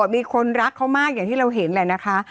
มีคนรักเขามากอย่างที่เราเห็นแหละนะคะ